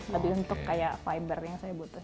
lebih untuk kayak fiber yang saya butuh